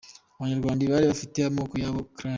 Abanyarwanda bari bafite amoko yabo ‘Clans’.